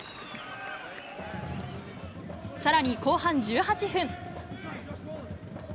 さらに、後半１８分。